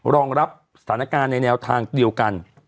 รองรับสถานการณ์ในแนวทางเดียวกัน